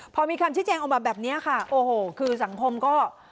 พอมีคำชี้แจงออกมาแบบนี้ค่ะโอ้โหคือสังคมก็